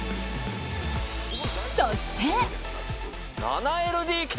そして。